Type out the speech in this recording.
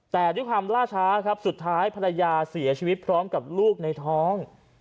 แต่ด้วยความล่าช้าครับสุดท้ายภรรยาเสียชีวิตพร้อมกับลูกในท้อง